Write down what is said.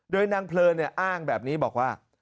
โดยนางเพลินอ้างแบบนี้บอกว่า